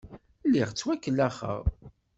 Lliɣ ttwakellaxeɣ.